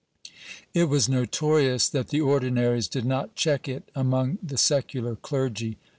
It was notorious that the Ordinaries did not check it among the secular clergy, nor » Collect.